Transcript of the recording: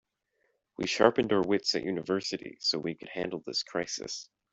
We sharpened our wits at university so we could handle this crisis.